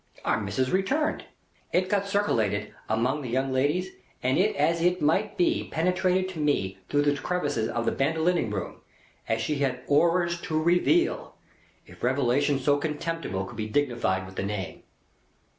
Our Missis returned. It got circulated among the young ladies, and it as it might be penetrated to me through the crevices of the Bandolining Room, that she had Orrors to reveal, if revelations so contemptible could be dignified with the name.